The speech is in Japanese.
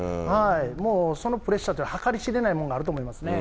もうそのプレッシャーというのは計り知れないものがあると思いま